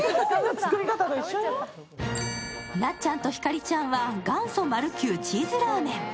なっちゃんとひかりちゃんは元祖マルキューチーズラーメン。